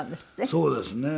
そうですね。